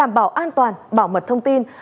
cho an toàn bảo mật thông tin